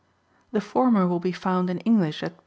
The former will be found in English at pp.